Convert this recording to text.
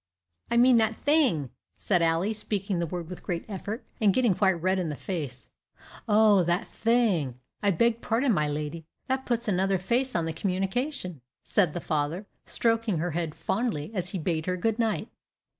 "I mean that thing," said Ally, speaking the word with great effort, and getting quite red in the face. "O, that thing; I beg pardon, my lady; that puts another face on the communication," said the father, stroking her head fondly, as he bade her good night.